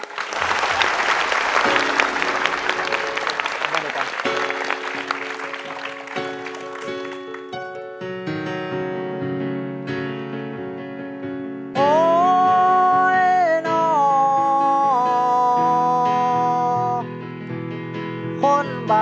สวัสดีครับ